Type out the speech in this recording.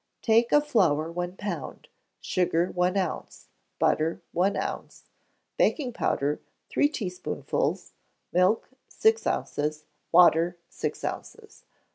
Take of flour one pound; sugar, one ounce; butter, one ounce; baking powder, three teaspoonfuls; milk, six ounces; water, six ounces.